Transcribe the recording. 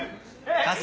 春日！